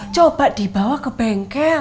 coba dibawa ke bengkel